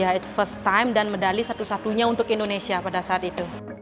ya it's first time dan medali satu satunya untuk indonesia pada saat itu